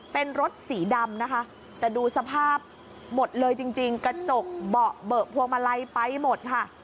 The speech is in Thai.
เป็นรถสีดำนะคะแต่ดูสภาพหมดเลยจริงกระจกเบาะเบอะพวงมาลัยไปหมดค่ะ